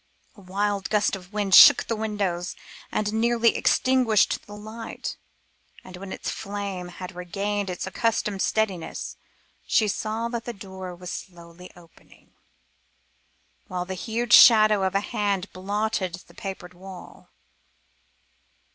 A wild gust of wind shook the windows and nearly extinguished the light, and when its flame had regained its accustomed steadiness she saw that the door was slowly opening, while the huge shadow of a hand blotted the papered wall.